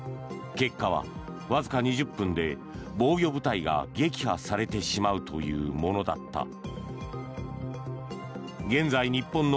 結果は、わずか２０分で防御部隊が撃破されてしまうというものだった。